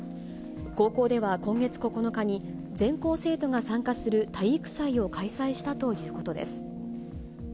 高校では、今月９日に全校生徒が参加する体育祭を開催したということです。